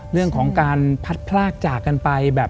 เรื่องของการพัดพลากจากกันไปแบบ